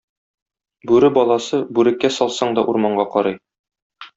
Бүре баласы бүреккә салсаң да урманга карый.